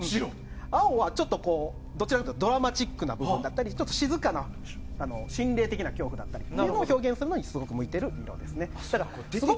青はどちらかというとドラマチックな部分だったりちょっと静かな、心霊的な怖さを表現するのにすごく向いている色ですね。